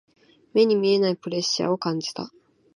目に見えないプレッシャーを感じた。